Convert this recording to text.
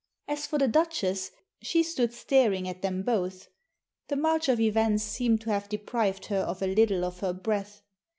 As for the Duchess, she stood staring at them both. The march of events seemed to have deprived her of a little of her breath.